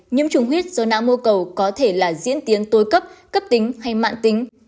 nhiễm chùng huyết do não mô cầu có thể là diễn tiến tối cấp cấp tính hay mạng tính